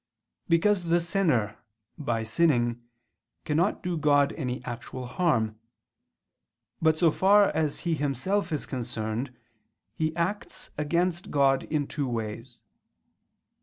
Because the sinner, by sinning, cannot do God any actual harm: but so far as he himself is concerned, he acts against God in two ways.